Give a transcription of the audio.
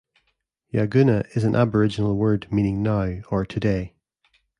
Yagoona is an Aboriginal word meaning 'now' or 'today'.